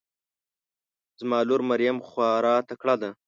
زما لور مريم خواره تکړه ده